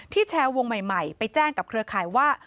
แชร์วงใหม่ไปแจ้งกับเครือข่ายว่า